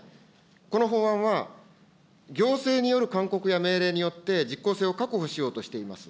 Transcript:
この法案は、行政による勧告や命令によって実効性を確保しようとしています。